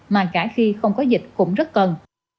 mà cả khi không có dịch cũng rất cần